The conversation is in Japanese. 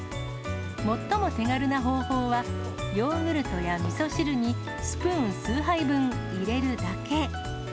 最も手軽な方法は、ヨーグルトやみそ汁に、スプーン数杯分、入れるだけ。